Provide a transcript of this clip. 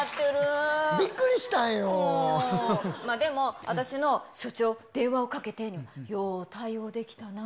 でも、私の署長、電話をかけてにはよう対応できたなぁ。